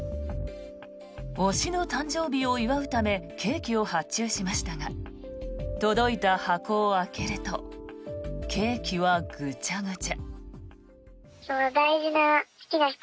推しの誕生日を祝うためケーキを発注しましたが届いた箱を開けるとケーキはグチャグチャ。